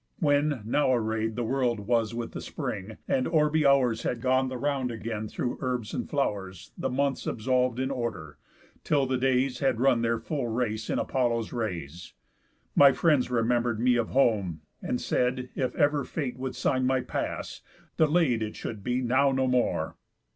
When, now array'd The world was with the spring, and orby hours Had gone the round again through herbs and flow'rs, The months absolv'd in order, till the days Had run their full race in Apollo's rays; My friends remember'd me of home, and said; If ever fate would sign my pass, delay'd It should be now no more.